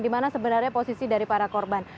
dimana sebenarnya posisi dari para korban